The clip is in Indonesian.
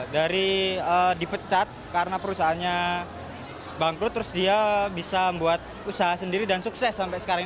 dari dipecat karena perusahaannya bangkrut terus dia bisa membuat usaha sendiri dan sukses sampai sekarang